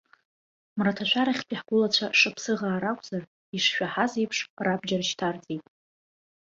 Мраҭашәарахьтәи ҳгәылацәа шаԥсыӷаа ракәзар, ишшәаҳаз еиԥш, рабџьар шьҭарҵеит.